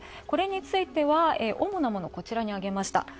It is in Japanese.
これについては、主なものこちらにあげました。